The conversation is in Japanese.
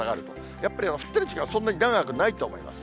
やっぱり降ってる時間、そんなに長くないと思います。